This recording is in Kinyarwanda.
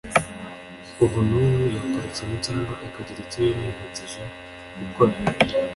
ubu n’ubu, yakora ikintu cyangwa akagira icyo yirengagiza gukora